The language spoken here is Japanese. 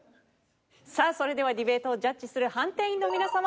さあそれではディベートをジャッジする判定員の皆様